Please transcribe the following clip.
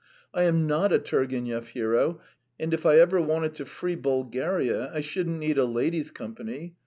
"I am not a Turgenev hero, and if I ever wanted to free Bulgaria I shouldn't need a lady's company.